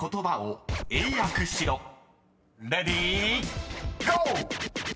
［レディーゴー！］